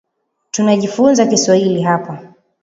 Tunajifunza Kiswahili hapa.